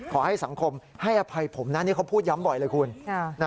ขอให้สังคมให้อภัยผมนะนี่เขาพูดย้ำบ่อยเลยคุณ